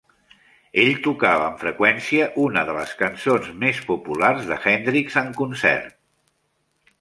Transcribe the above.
Ell tocava amb freqüència una de les cançons més popular d'Hendrix en concert.